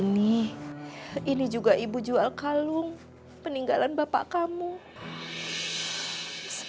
bisa ga bisa kaya bener bener dulu